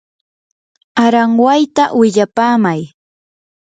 aranwayta willapamay.